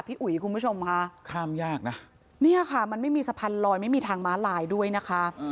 อุ๋ยคุณผู้ชมค่ะข้ามยากนะเนี่ยค่ะมันไม่มีสะพานลอยไม่มีทางม้าลายด้วยนะคะ